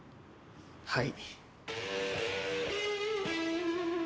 はい。